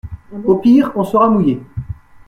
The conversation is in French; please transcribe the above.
Au pire on sera mouillés.